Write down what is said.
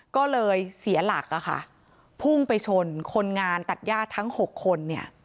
ก็เลยเสียหลักพุ่งไปชนคนงานตัดย่าทั้ง๖คนเนี่ย